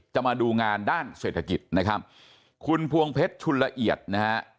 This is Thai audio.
มาดูงานด้านเศรษฐกิจนะครับคุณพวงเพชรชุนละเอียดนะฮะ